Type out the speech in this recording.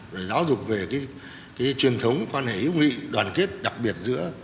và giáo dục về truyền thống quan hệ hữu nghị đoàn kết